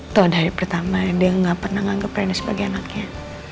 tuh udah hari pertama dia gak pernah menganggap reina sebagai anaknya